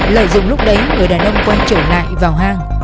lợi dụng lúc đấy người đàn ông quay trở lại vào hang